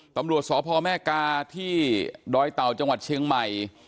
ตำรวจสพแม่กาที่ดอยเต่าจังหวัดเชียงใหม่